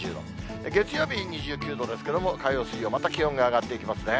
月曜日２９度ですけれども、火曜、水曜、また気温が上がっていきますね。